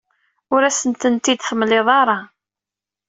Ur asent-tent-id-temliḍ ara.